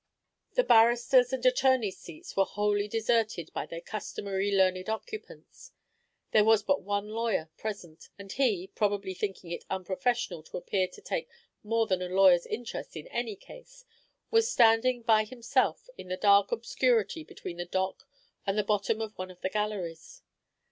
The barristers' and attorneys' seats were wholly deserted by their customary learned occupants; there was but one lawyer present, and he, probably thinking it unprofessional to appear to take more than a lawyer's interest in any case, was standing by himself in the dark obscurity between the dock and the bottom of one of the galleries.